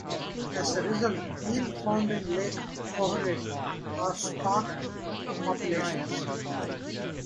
As a result, eel found in Lake Ohrid are stocked populations.